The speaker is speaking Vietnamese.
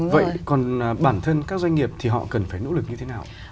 vậy còn bản thân các doanh nghiệp thì họ cần phải nỗ lực như thế nào